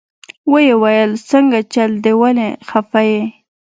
ويې ويل سنګه چل دې ولې خفه يې.